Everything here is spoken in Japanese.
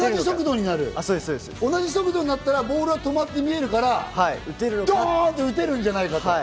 同じ速度になったらボールは止まって見えるから、打てるんじゃないかと。